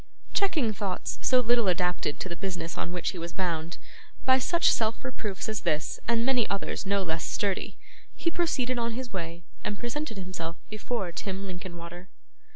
Checking thoughts so little adapted to the business on which he was bound, by such self reproofs as this and many others no less sturdy, he proceeded on his way and presented himself before Tim Linkinwater.